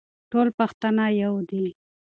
ټول پښتانه يو دي.